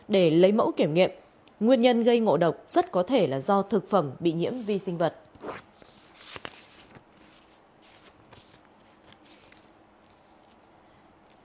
để lấy mẫu kiểm nghiệm nguyên nhân gây ngộ độc rất có thể là do thực phẩm bị nhiễm vi sinh vật